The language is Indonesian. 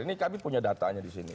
ini kami punya datanya di sini